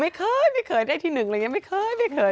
ไม่เคยไม่เคยได้ที่หนึ่งอะไรอย่างนี้ไม่เคยไม่เคย